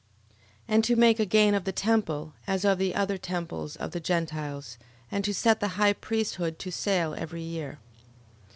And to make a gain of the temple, as of the other temples of the Gentiles and to set the high priesthood to sale every year: 11:4.